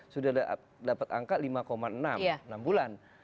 sudah dapat angka lima enam enam bulan